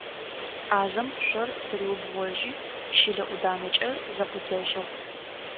Ӏазэм шъор тыриубгъожьи, щылэ ӏуданэкӏэ зэкъуидзэжьыгъ.